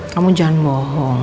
kamu jangan bohong